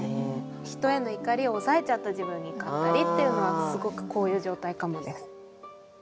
人への怒りを抑えちゃった自分に怒ったりっていうのはすごくこういう状態かもです。